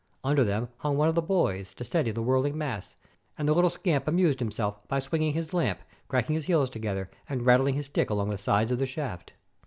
Under them hung one of the boys, to steady the whirling mass, and the little scamp amused himself by swinging his lamp, cracking his heels together, and rattling his stick along the sides of the shaft.